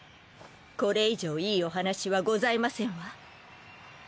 これ以上いいお話はございませんわ。